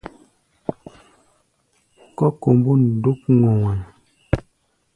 Kɔ́ kombôn dúk ŋɔwaŋ.